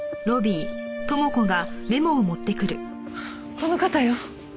この方よ。